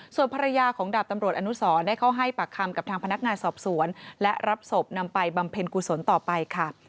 ส่วนภรรยาของดาบตำรวจอนุสรได้เข้าให้ปากคำกับทางพนักงานสอบสวนและรับศพนำไปบำเพ็ญกุศลต่อไปค่ะ